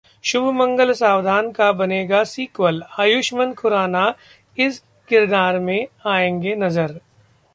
शुभ मंगल सावधान का बनेगा सीक्वल, आयुष्मान खुराना इस किरदार में आएंगे नजर